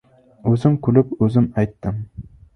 O‘zim kulib, o‘zim aytdim!